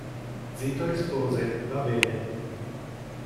Zito rispose "Va bene.